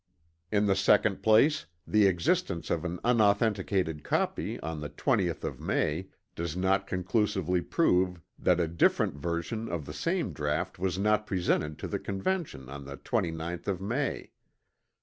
In the second place the existence of an unauthenticated copy on the 20th of May does not conclusively prove that a different version of the same draught was not presented to the Convention on the 29th of May.